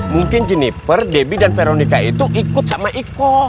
mungkin jenniper debbie dan veronica itu ikut sama iko